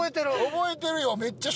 覚えてるよ。